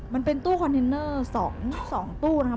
มันเป็นตู้คอนเทนเนอร์๒ตู้นะครับ